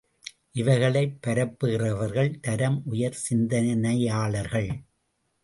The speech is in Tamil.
இவைகளைப் பரப்புகிறவர்கள் தரம் உயர் சிந்தனையாளர்கள்!